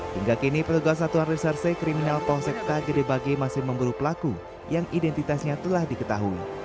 hingga kini pelugas satuan reserse kriminal pohsekta gedibagi masih memburu pelaku yang identitasnya telah diketahui